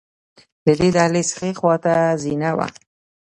د دې دهلېز ښې خواته زینه وه.